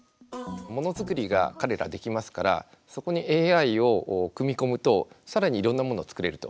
ものづくりが彼らできますからそこにＡＩを組み込むと更にいろんなもの作れると。